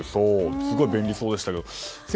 すごく便利そうでした。